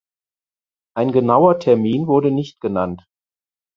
Ein genauer Termin wurde nicht genannt.